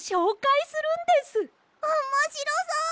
おもしろそう！